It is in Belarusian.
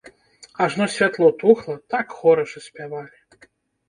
Ажно святло тухла, так хораша спявалі.